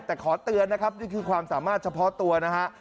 แต่ขอเตือนนะครับนี่คือความสามารถเฉพาะตัวนะฮะ